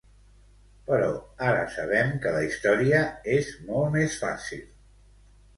Però ara sabem que la història és molt més fàcil.